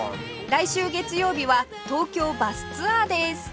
来週月曜日は東京バスツアーです